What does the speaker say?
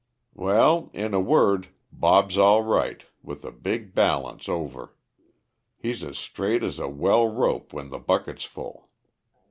"Well, in a word, Bob's all right, with a big balance over. He's as straight as a well rope when the bucket's full.